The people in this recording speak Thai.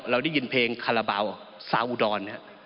เราได้ยินเพลงคาราบาวซาอุดอน